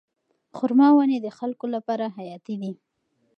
خورما ونې د خلکو لپاره حیاتي دي.